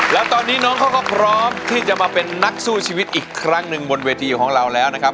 แล้วตอนนี้น้องเขาก็พร้อมที่จะมาเป็นนักสู้ชีวิตอีกครั้งหนึ่งบนเวทีของเราแล้วนะครับ